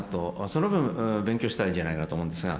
その分勉強したらいいんじゃないかなと思うんですが。